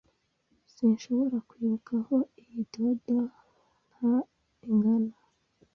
Sinshobora kwibuka aho iyi doodad nto igana.